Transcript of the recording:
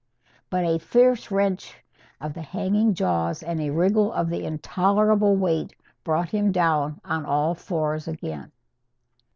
But a fierce wrench of the hanging jaws and a wriggle of the intolerable weight brought him down on all fours again.